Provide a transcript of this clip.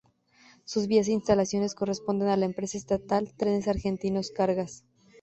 Sus vías e instalaciones corresponden a la empresa estatal Trenes Argentinos Cargas.